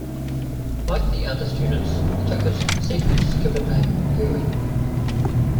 Like the other students, he took his sifu's given name - "Yuen".